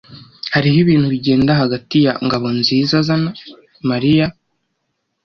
Hariho ibintu bigenda hagati ya Ngabonzizana Mariya.